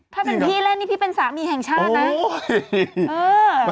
ถ้าเป็นพี่เล่นนี่พี่เป็นสามีแห่งชาตินะ